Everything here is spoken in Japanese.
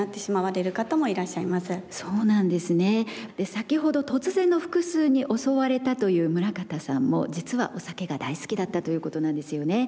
先ほど突然の腹痛に襲われたという村方さんも実はお酒が大好きだったということなんですよね。